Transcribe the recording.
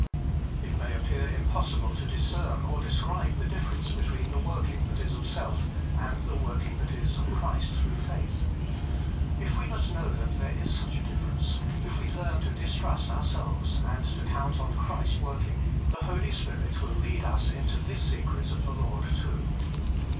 It may appear impossible to discern or describe the difference between the working that is of self and the work ing that is of Christ through faith : if we but know that there is such a difference, if we learn to distrust ourselves, and to count on Christ working, the Holy Spirit will lead us into this secret of the Lord too.